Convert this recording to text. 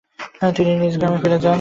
তিনি নিজ গ্রামে ফিরে যান।